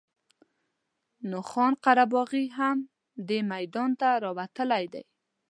نو خان قره باغي هم دې میدان ته راوتلی دی.